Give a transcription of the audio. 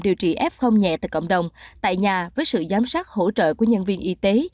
điều trị f nhẹ tại cộng đồng tại nhà với sự giám sát hỗ trợ của nhân viên y tế